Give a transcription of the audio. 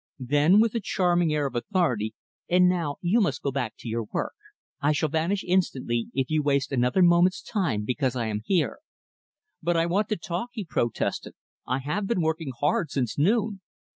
Then, with a charming air of authority "And now, you must go back to your work. I shall vanish instantly, if you waste another moment's time because I am here." "But I want to talk," he protested. "I have been working hard since noon."